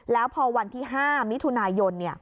แล้วพอวันที่๕มิถุนายน